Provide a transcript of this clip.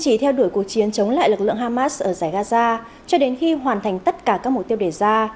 chỉ theo đuổi cuộc chiến chống lại lực lượng hamas ở giải gaza cho đến khi hoàn thành tất cả các mục tiêu đề ra